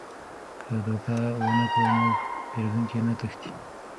که دوکه ونه کړو نو پیرودونکي نه تښتي.